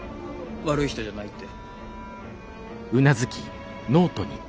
悪い人じゃないって。